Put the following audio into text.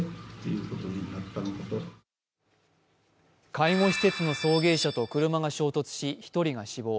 介護施設の送迎車と車が衝突し、１人が死亡。